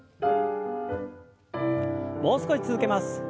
もう少し続けます。